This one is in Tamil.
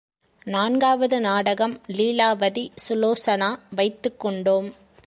நான்காவது நாடகம் லீலாவதி சுலோசனா வைத்துக்கொண்டோம்.